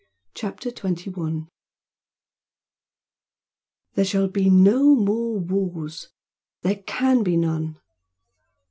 CHAPTER XXI "There shall be no more wars! there CAN be none!"